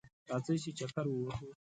راځئ چه چکر ووهو